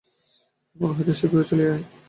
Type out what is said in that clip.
এখান হইতে শীঘ্র চলিয়া আয়!